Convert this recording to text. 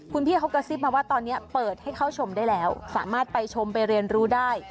คุณพี่เขากระซิบมาว่าตอนนี้เปิดให้เข้าชมได้แล้วสามารถไปชมไปเรียนรู้ได้